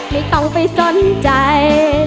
ไม่ต้องไปสนใจ